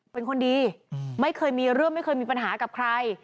เป็นคนดีไม่เคยมีเรื่องไม่เคยมีปัญหากับใคร